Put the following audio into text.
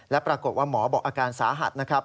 และปรากฏว่าหมอบอกอาการสาหัสนะครับ